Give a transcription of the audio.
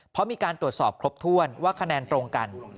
เพราะมีการตรวจสอบครบถ้วนว่าคะแนนตรงกัน